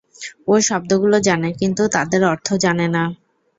ও শব্দগুলো জানে, কিন্তু তাদের অর্থ জানে না।